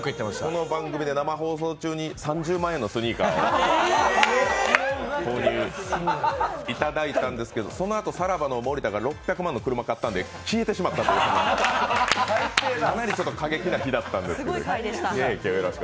この番組で生放送中に３０万円のスニーカーを購入いただいたんですけど、そのあと、さらばの森田が６００万の車を買ってしまったんで消えてしまったという過激な週でした。